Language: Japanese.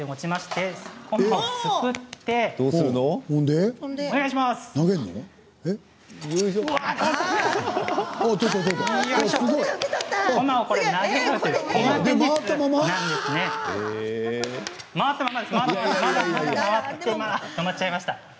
止まってしまいました。